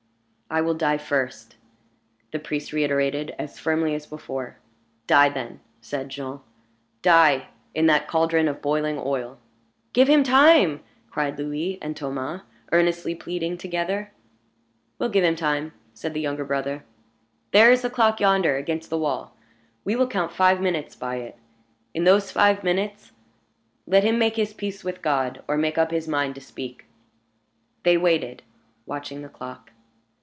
"I will die first," the priest reiterated, as firmly as before. "Die, then!" said Jean. "Die in that caldron of boiling oil." "Give him time," cried Louis and Thomas, earnestly pleading together. "We will give him time," said the younger brother. "There is the clock yonder, against the wall. We will count five minutes by it. In those five minutes, let him make his peace with God, or make up his mind to speak." They waited, watching the clock.